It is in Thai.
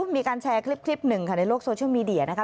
มีการแชร์คลิปหนึ่งค่ะในโลกโซเชียลมีเดียนะคะ